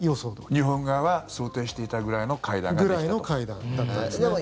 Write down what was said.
日本側は想定していたぐらいの会談ができたと。